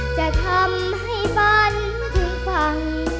จะทำให้ฝันถึงฝั่ง